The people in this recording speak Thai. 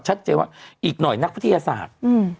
ชัดเจนว่าอีกหน่อยนักวิทยาศาสตร์